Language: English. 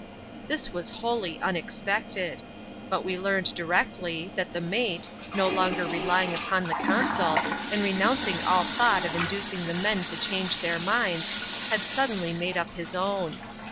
This was wholly unexpected ; but we learned directly, that the mate, no longer relying upon the consul, and renouncing all thought of inducing the men to change their minds, had suddenly made up his own.